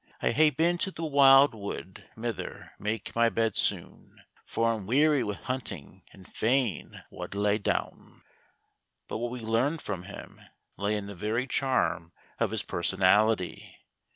I hae been to the wild wood; mither, make my bed soon, For I'm weary wi' hunting and fain wald lie doun. But what we learned from him lay in the very charm of his personality.